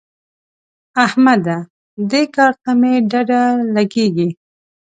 احمده! دې کار ته مې ډډه لګېږي.